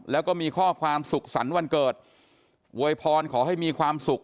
แล้วก็มีข้อความสุขสรรค์วันเกิดโวยพรขอให้มีความสุข